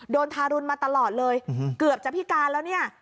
ทารุณมาตลอดเลยเกือบจะพิการแล้วเนี่ย